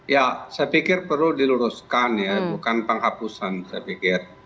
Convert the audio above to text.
ya saya pikir perlu diluruskan ya bukan penghapusan saya pikir